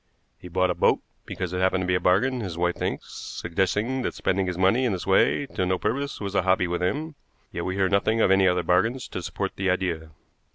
He bought a boat because it happened to be a bargain, his wife thinks, suggesting that spending his money in this way to no purpose was a hobby with him; yet we hear nothing of any other bargains to support the idea.